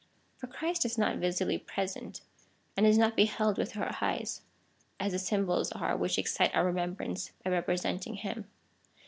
For Christ is not visibly present, and is not beheld with our eyes, as the symbols are which excite our remembrance by representing him.